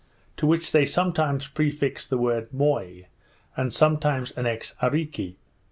to which they sometimes prefix the word Moi, and sometimes annex Areeke.